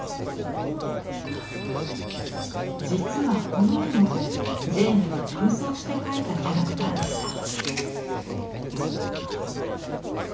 実はこの絵もジェーニャが空想して描いたキャラクターでした。